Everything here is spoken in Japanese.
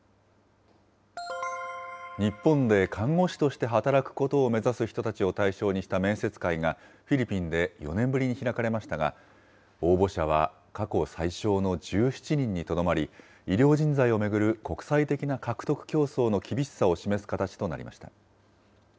日本で看護師として働くことを目指す人たちを対象にした面接会が、フィリピンで４年ぶりに開かれましたが、応募者は過去最少の１７人にとどまり、医療人材を巡る国際的な獲得競争の厳しさを示す形となりました。